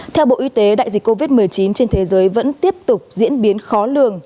theo bộ y tế đại dịch covid một mươi chín trên thế giới vẫn tiếp tục diễn biến khó lường